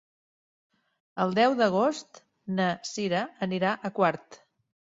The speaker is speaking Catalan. El deu d'agost na Sira anirà a Quart.